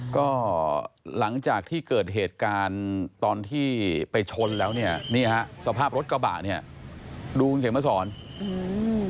ก็หลังจากที่เกิดเหตุการณ์ตอนที่ไปชนแล้วเนี่ยนี่ฮะสภาพรถกระบะเนี่ยดูคุณเขียนมาสอนอืม